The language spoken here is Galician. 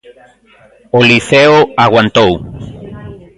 O Liceo aguantou.